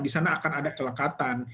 di sana akan ada kelekatan